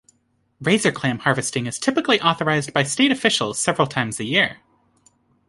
Razor Clam harvesting is typically authorized by state officials several times a year.